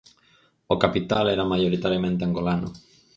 O capital era maioritariamente angolano.